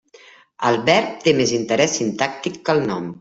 El verb té més interès sintàctic que el nom.